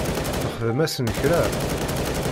Txdem-asen kra?